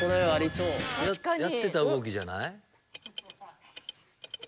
やってた動きじゃない？